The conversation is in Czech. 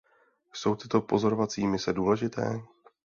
Jsou tyto pozorovací mise důležité?